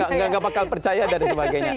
nggak bakal percaya dan sebagainya